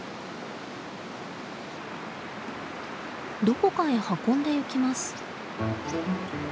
どこかへ運んでいきます。